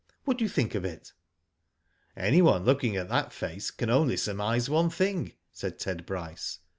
What do you think of it?" " Anyone looking at that face can only surmise one thing," said Ted Bryce.